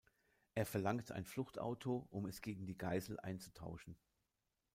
Er verlangt ein Fluchtauto, um es gegen die Geisel einzutauschen.